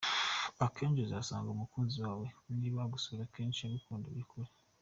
Akenshi uzasanga umukunzi wawe niba agusura kenshi agukunda by’ukuri.